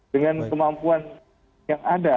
dengan kemampuan yang ada